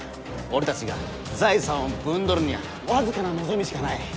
俺たちが財産をぶん取るにはわずかな望みしかない。